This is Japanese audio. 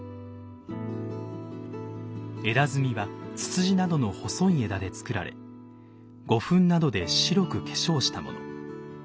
枝炭はツツジなどの細い枝で作られ胡粉などで白く化粧したもの。